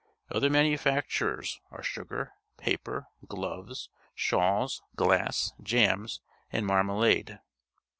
Other manufactures are sugar, paper, gloves, shawls, glass, jams, and marmalade.